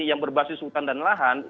yang berbasis hutan dan lahan